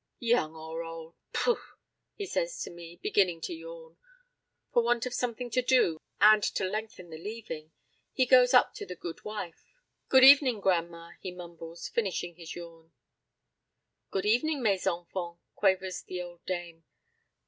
"Young or old pooh!" he says to me, beginning to yawn. For want of something to do and to lengthen the leaving, he goes up to the goodwife. "Good evening, gran'ma," he mumbles, finishing his yawn. "Good evening, mes enfants," quavers the old dame.